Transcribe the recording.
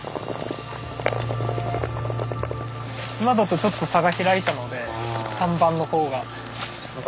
今だとちょっと差が開いたので３番の方が。